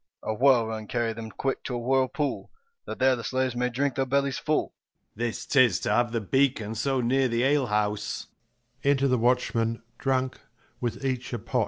A whirl wind carry them quick to a whirl pool, That there the slaves may drink their bellies full. 10 Second C. This 'tis, to have the beacon so near the ale house. Enter the Watchmen drunk, with each a pot.